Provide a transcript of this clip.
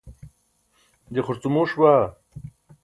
je xurcumuuṣ baa